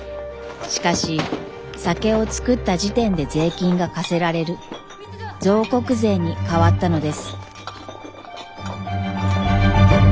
しかし酒を造った時点で税金が課せられる造石税に変わったのです。